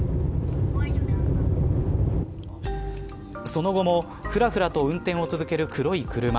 その後も、ふらふらと運転を続ける黒い車。